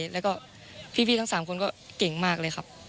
แล้วก็พี่ทั้ง๓คนก็เก่งมากเลยครับ